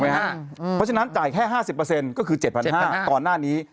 เพราะฉะนั้นจ่ายแค่๕๐ก็คือ๗๕๐๐บาทก่อนหน้านี้